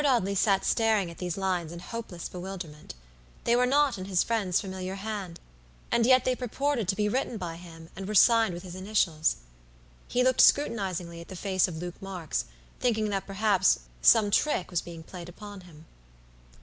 "G.T." Robert Audley sat staring at these lines in hopeless bewilderment. They were not in his friend's familiar hand, and yet they purported to be written by him and were signed with his initials. He looked scrutinizingly at the face of Luke Marks, thinking that perhaps some trick was being played upon him.